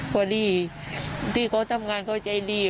พอดีที่เขาทำงานเขาใจดี